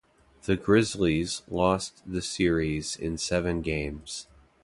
The Grizzlies lost the series in seven games.